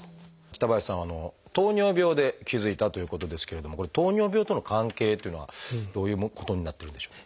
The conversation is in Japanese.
北林さんは糖尿病で気付いたということですけれどもこれ糖尿病との関係っていうのはどういうことになってるんでしょう？